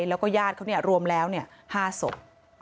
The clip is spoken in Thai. แล้วก็ญาติเขารวมแล้ว๕ศพ